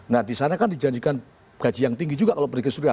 nah di sana kan dijanjikan gaji yang tinggi juga kalau pergi ke suria